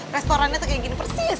restorannya tuh kayak gini persis